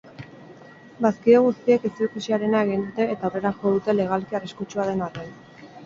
Bazkide guztiek ezikusiarena egin dute eta aurrera jo dute legalki arriskutsua den arren.